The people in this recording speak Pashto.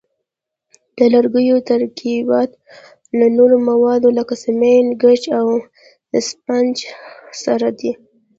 د لرګیو ترکیبات له نورو موادو لکه سمنټ، ګچ او اسفنج سره دي.